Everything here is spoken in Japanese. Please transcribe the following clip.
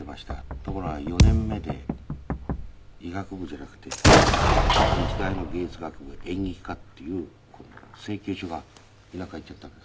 ところが４年目で医学部じゃなくて日大の芸術学部演劇科っていう請求書が田舎へ行っちゃったんです。